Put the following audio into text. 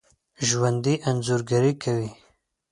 ژوندي انځورګري کوي